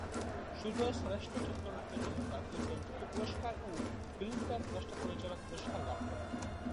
সুজয় শ্রেষ্ঠ চিত্রনাট্যের জন্য জাতীয় চলচ্চিত্র পুরস্কার ও ফিল্মফেয়ার শ্রেষ্ঠ পরিচালক পুরস্কার লাভ করেন।